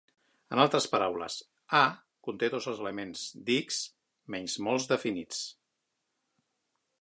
En altres paraules, "A" conté tots els elements d'"X" menys molts de finits.